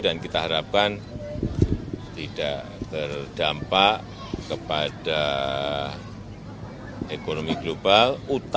dan kita harapkan tidak terdampak kepada ekonomi global